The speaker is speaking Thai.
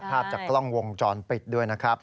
ภาพจากกล้องวงจรปิดด้วยนะครับ